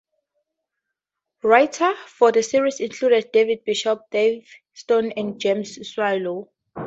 Writers for the series included David Bishop, Dave Stone and James Swallow.